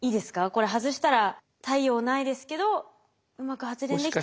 これ外したら太陽ないですけどうまく発電できてれば。